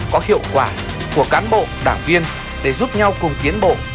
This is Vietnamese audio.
có hiệu quả của cán bộ đảng viên để giúp nhau cùng tiến bộ